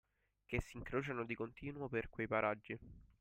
Che si incrociano di continuo per quei paraggi.